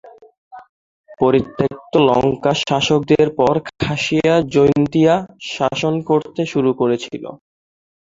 পরিত্যক্ত লঙ্কার শাসকদের পর, খাসিয়া-জৈন্তিয়া শাসন করতে শুরু করেছিল।